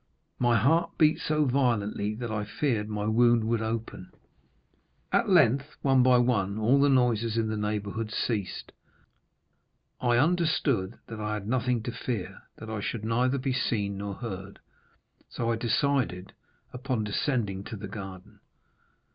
My heart beat so violently that I feared my wound would open. At length, one by one, all the noises in the neighborhood ceased. I understood that I had nothing to fear, that I should neither be seen nor heard, so I decided upon descending to the garden.